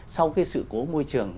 sau cái sự cố môi trường